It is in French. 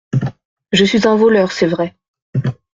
Je suis un voleur, c'est vrai.